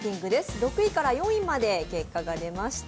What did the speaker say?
６位から４位まで結果が出ました。